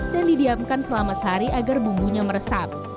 dan didiamkan selama sehari agar bumbunya meresap